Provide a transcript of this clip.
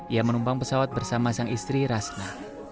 ia menumpang pesawat bersama sang istri rasna